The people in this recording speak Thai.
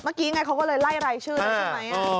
เมื่อกี้ไงเขาก็เลยไล่รายชื่อแล้วใช่ไหม